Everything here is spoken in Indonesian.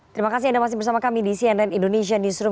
terima kasih anda masih bersama kami di cnn indonesia newsroom